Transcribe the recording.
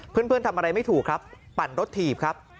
เพื่อนทำอะไรไม่ถูกครับปั่นรถถีบครับ